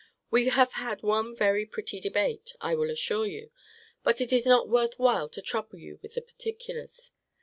We have had one very pretty debate, I will assure you; but it is not worth while to trouble you with the particulars.